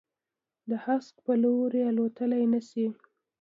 د هسک په لوري، الوتللای نه شي